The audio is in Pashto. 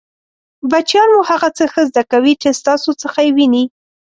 بچیان مو هغه څه ښه زده کوي چې ستاسو څخه يې ویني!